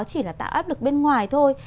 chỉ là tạo áp lực bên ngoài thôi